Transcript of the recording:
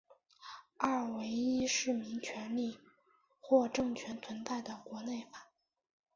二为依市民权利或政权存在的国内法。